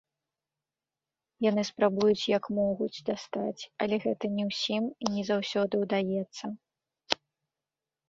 Яны спрабуюць як могуць дастаць, але гэта не ўсім і не заўсёды ўдаецца.